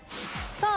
さあ